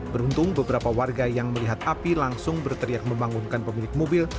beruntung beberapa warga yang melihat api langsung berteriak membangunkan pemilik mobil